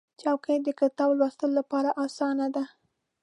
چوکۍ د کتاب لوستلو لپاره اسانه ده.